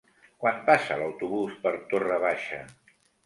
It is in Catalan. Quan passa l'autobús per Torre Baixa?